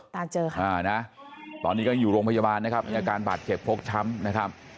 ตอนนี้ก็อยู่โรงพยาบาลนะครับมีอาการบาดเฉพโภคช้ำนะครับ